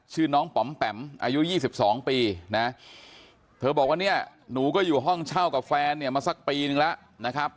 ชื่อน้องป๋อมแปมอายุ๒๒ปีนะเธอบอกว่าเนี่ยหนูก็อยู่ห้องเช่ากับแฟนเนี่ยมาสักปีนึงแล้วนะครับ